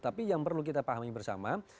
tapi yang perlu kita pahami bersama